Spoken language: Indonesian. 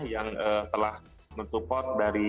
yang telah men support dari